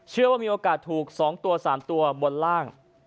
เชื่อว่ามีโอกาสถูก๒ตัว๓ตัวบนล่าง